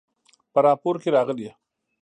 په راپور کې راغلي